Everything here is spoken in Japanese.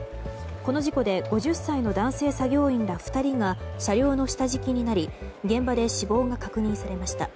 この事故で５０歳の男性作業員ら２人が車両の下敷きになり現場で死亡が確認されました。